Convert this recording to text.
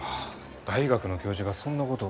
大学の教授がそんなことを。